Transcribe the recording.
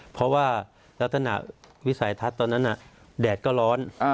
เพราะว่าลักษณะวิสัยทัศน์ตอนนั้นแดดก็ร้อน